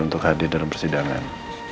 untuk hadir dalam persidangan